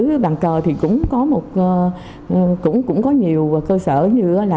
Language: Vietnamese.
ở bàn cờ thì cũng có nhiều cơ sở như là nhà